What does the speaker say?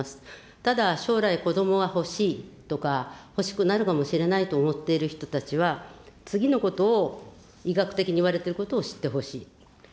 ただ、将来、子どもは欲しいとか、欲しくなるかもしれないと思っている人たちは、次のことを、医学的に言われていることを知ってほしい。